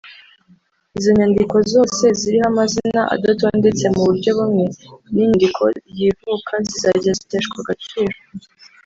izo nyandiko zose ziriho amazina adatondetse mu buryo bumwe n’inyandiko y’ivuka zizajya ziteshwa agaciro